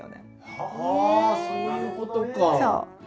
はあそういうことか。